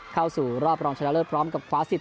เข้าสู่รอบรองชนะเลิศพร้อมกับคว้าสิทธ